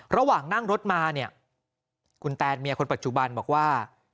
ระหว่างนั่งรถมาเนี่ยคุณแตนเมียคนปัจจุบันบอกว่า